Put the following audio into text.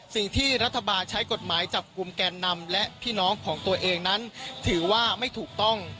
สิ่งที่รัฐบาลใช้กฎหมายจับกลุ่มแกนนำและพี่น้องของตัวเองนั้นถือว่าไม่ถูกต้อง